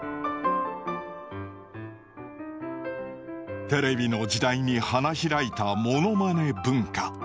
テレビの時代に花開いたモノマネ文化。